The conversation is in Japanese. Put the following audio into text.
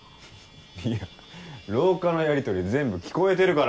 いや廊下のやりとり全部聞こえてるから。